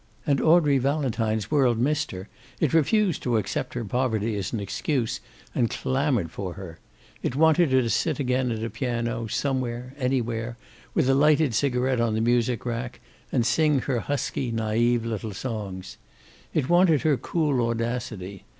And Audrey Valentine's world missed her. It refused to accept her poverty as an excuse, and clamored for her. It wanted her to sit again at a piano, somewhere, anywhere, with a lighted cigaret on the music rack, and sing her husky, naive little songs. It wanted her cool audacity.